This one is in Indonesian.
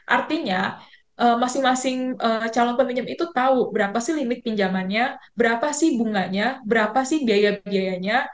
artinya masing masing calon peminjam itu tahu berapa sih limit pinjamannya berapa sih bunganya berapa sih biaya biayanya